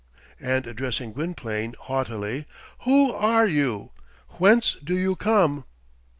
And addressing Gwynplaine haughtily, "Who are you? Whence do you come?"